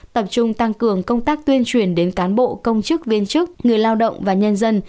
tập trung tăng cường công tác tuyên truyền đến cán bộ công chức viên chức người lao động và nhân dân